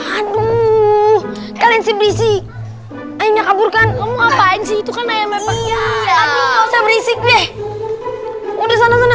aduh kalian sih berisi ini kaburkan ngapain sih itu kan emangnya berisik deh udah sana sana